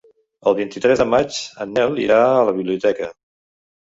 El vint-i-tres de maig en Nel irà a la biblioteca.